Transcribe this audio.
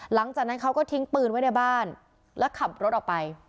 หลังจากนั้นเขาก็ทิ้งปืนไว้ในบ้านแล้วขับรถออกไป